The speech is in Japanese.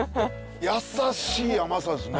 優しい甘さですね！